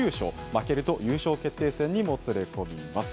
負けると優勝決定戦にもつれ込みます。